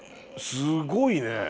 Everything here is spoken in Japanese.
すごいね！